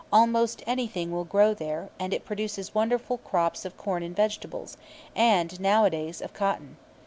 Almost anything will grow there, and it produces wonderful crops of corn and vegetables, and, nowadays, of cotton.